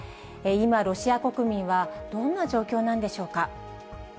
今、ロシア国民はどんな状況なんでしょうか。